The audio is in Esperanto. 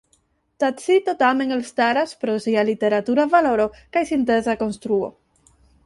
Tacito tamen elstaras pro sia literatura valoro kaj sinteza konstruo.